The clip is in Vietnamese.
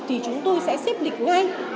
thì chúng tôi sẽ xếp lịch ngay